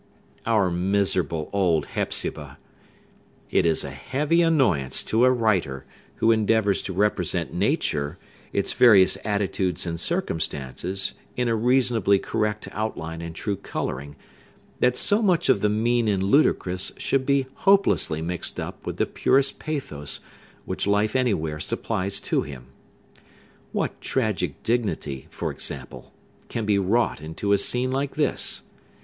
Our miserable old Hepzibah! It is a heavy annoyance to a writer, who endeavors to represent nature, its various attitudes and circumstances, in a reasonably correct outline and true coloring, that so much of the mean and ludicrous should be hopelessly mixed up with the purest pathos which life anywhere supplies to him. What tragic dignity, for example, can be wrought into a scene like this!